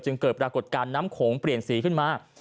เกิดปรากฏการณ์น้ำโขงเปลี่ยนสีขึ้นมา